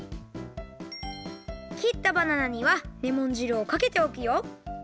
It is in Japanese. きったバナナにはレモン汁をかけておくよ。